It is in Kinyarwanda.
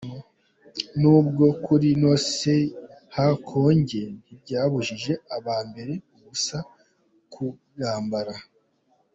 Nubwo kuri North Sea hakonje ntibyabujije abambara ubusa kubwambara.